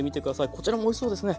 こちらもおいしそうですね。